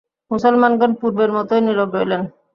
মুসলমানগণ পূর্বের মতই নীরব রইলেন।